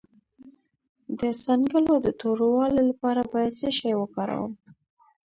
د څنګلو د توروالي لپاره باید څه شی وکاروم؟